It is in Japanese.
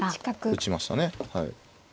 打ちましたね。